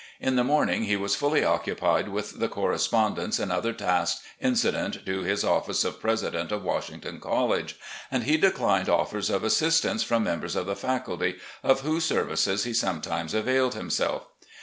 In the morning he was fully occupied with the correspondence and other tasks incident to his office of president of Washington College, and he de clined offers of assistance from members of the faculty, of whose services he sometimes availed himself.